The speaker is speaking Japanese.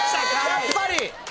やっぱり！